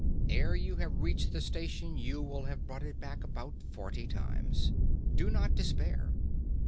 Ere you have reached the station you will have brought it back about forty times. Do not despair.